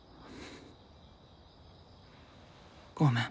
ごめん。